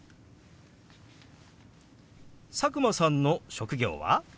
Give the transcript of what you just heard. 佐久間さんの職業は？